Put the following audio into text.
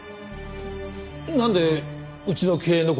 なんでうちの経営の事まで。